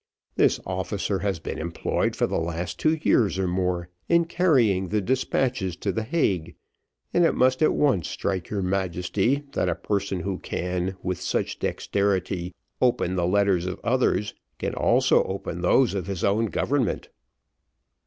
This officer has been employed for the last two years or more in carrying the despatches to the Hague, and it must at once strike your Majesty, that a person who can, with such dexterity, open the letters of others can also open those of his own government."